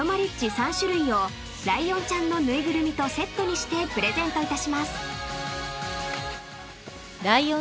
３種類をライオンちゃんの縫いぐるみとセットにしてプレゼントいたします］